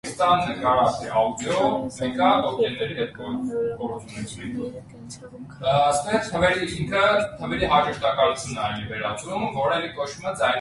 Խարազանել է եվրոպական նորամուծությունները կենցաղում, քաղքենիական սովորությունները, պաշտպանել արհեստավոր խավին։